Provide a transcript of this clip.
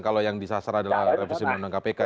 kalau yang disasar adalah revisi undang undang kpk